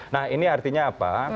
nah ini artinya apa